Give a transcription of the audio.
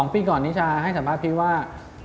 ปีก่อนนิชาให้สัมภาษณ์พี่ว่า